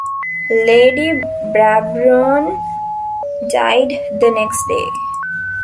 Lady Brabourne died the next day.